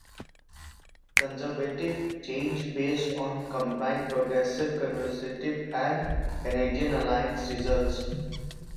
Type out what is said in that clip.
Conservative change based on combined Progressive Conservative and Canadian Alliance results.